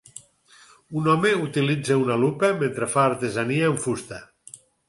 Un home utilitza una lupa mentre fa artesania amb fusta.